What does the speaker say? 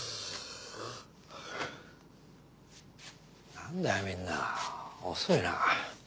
なんだよみんな遅いな。